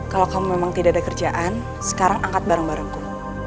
kalau kamu memang tidak ada kerjaan sekarang angkat bareng barengku